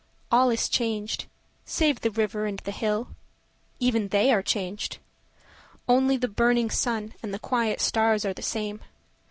All is changed, save the river and the hill— Even they are changed. Only the burning sun and the quiet stars are the same.